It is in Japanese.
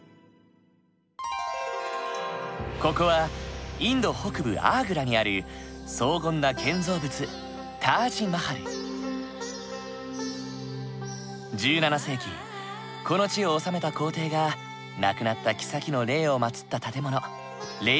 ここはインド北部アーグラにある荘厳な建造物１７世紀この地を治めた皇帝が亡くなったきさきの霊を祭った建物霊びょうだ。